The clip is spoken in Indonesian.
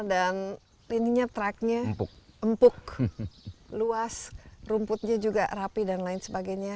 dan ini tracknya empuk luas rumputnya juga rapi dan lain sebagainya